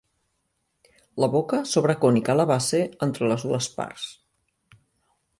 La boca s'obre cònica a la base entre les dues parts.